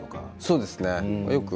そうですね。